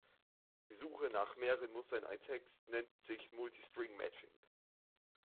Die Suche nach mehreren Mustern in einem Text nennt sich Multi-String-Matching.